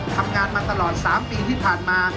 ทำงานมาตลอด๓ปีที่ผ่านมา